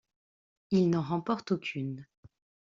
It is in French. Il n'en remporte aucune.